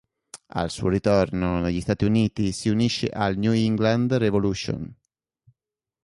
Al suo ritorno negli Stati Uniti si unisce al New England Revolution.